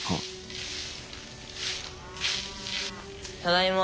ただいま。